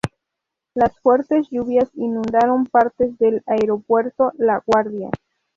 Las fuertes lluvias inundaron partes del Aeropuerto LaGuardia.